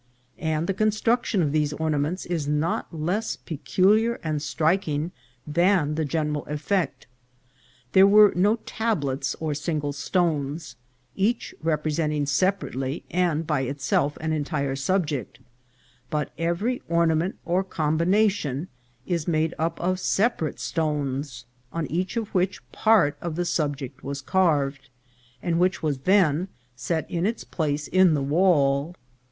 And the construction of these or naments is not less peculiar and striking than the gen eral effect. There were no tablets or single stones, each representing separately and by itself an entire subject; but every ornament or combination is made up of separate stones, on each of which part of the sub ject was carved, and which was then set in its place in the wall.